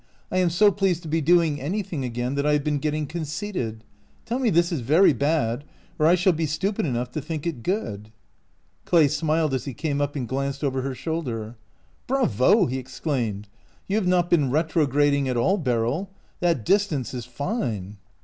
I am so pleased to be doing anything again that I have been getting conceited. Tell me this is very bad, or I shall be stupid enough to think it good." Clay smiled as he came up and glanced over her shoulder. " Bravo! " he exclaime*d. " You have not been retrograding at all, Beryl. That dis tance is fine."